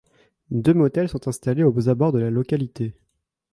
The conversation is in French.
Deux motels sont installés aux abords de la localité.